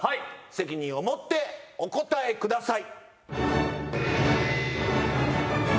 責任を持ってお答えください。